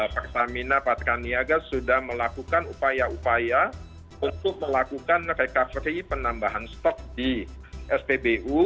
pertamina patraniaga sudah melakukan upaya upaya untuk melakukan recovery penambahan stok di spbu